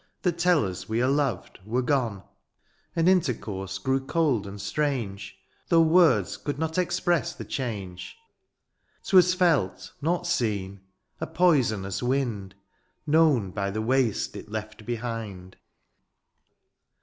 That tell us we are loved, were gone ; And intercourse grew cold and strange. Though words could not express the change. TVas felt, not seen — a poisonous wind Known by the waste it left behind.